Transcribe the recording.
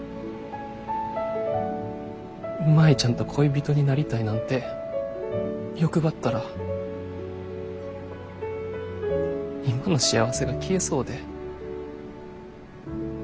舞ちゃんと恋人になりたいなんて欲張ったら今の幸せが消えそうで。